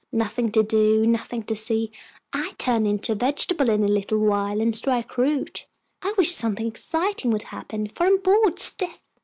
Nothing to do nothing to see I'd turn to a vegetable in a little while and strike root. I wish something exciting would happen, for I'm bored stiff."